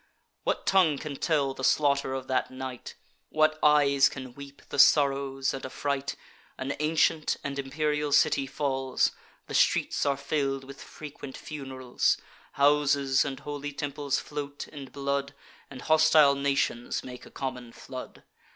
What tongue can tell the slaughter of that night? What eyes can weep the sorrows and affright? An ancient and imperial city falls: The streets are fill'd with frequent funerals; Houses and holy temples float in blood, And hostile nations make a common flood.